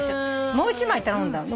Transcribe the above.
もう一枚頼んだの。